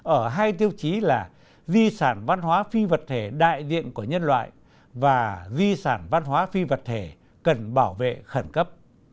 ở hai tiêu chí là di sản văn hóa phi vật thể đại diện của nhân loại và di sản văn hóa phi vật thể cần bảo vệ khẩn cấp